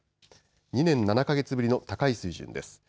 ２年７か月ぶりの高い水準です。